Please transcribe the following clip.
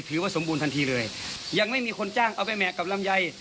ถือว่าสมบูรณทันทีเลยยังไม่มีคนจ้างเอาไปแหกกับลำไย